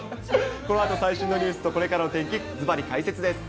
このあと最新のニュースとこれからの天気、ずばり解説です。